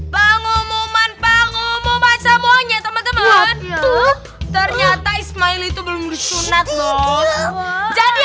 pengumuman pengumuman semuanya teman teman ternyata ismail itu belum disunat lo jadi aku mau masuk ke sini